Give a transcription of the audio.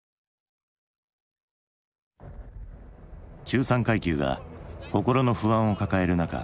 中産階級が心の不安を抱える中